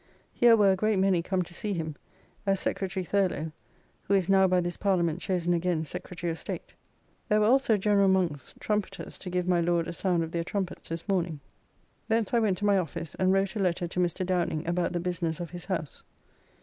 Here were a great many come to see him, as Secretary Thurlow who is now by this Parliament chosen again Secretary of State. There were also General Monk's trumpeters to give my Lord a sound of their trumpets this morning. Thence I went to my office, and wrote a letter to Mr. Downing about the business of his house.